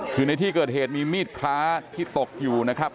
คือในที่เกิดเหตุมีมีดพระที่ตกอยู่นะครับ